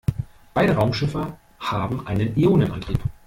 Beide Raumschiffe haben einen Ionenantrieb.